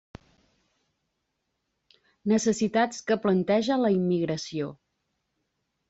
Necessitats que planteja la immigració.